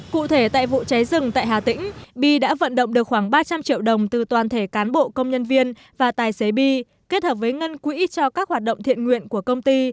cụ thể tại vụ cháy rừng tại hà tĩnh bi đã vận động được khoảng ba trăm linh triệu đồng từ toàn thể cán bộ công nhân viên và tài xế bi kết hợp với ngân quỹ cho các hoạt động thiện nguyện của công ty